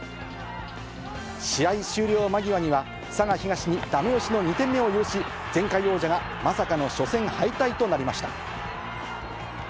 試合終了間際には、佐賀東にだめ押しの２点目を許し、前回王者がまさかの初戦敗退となりました。